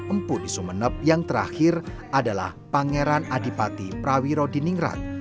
empu di sumeneb yang terakhir adalah pangeran adipati prawiro diningrat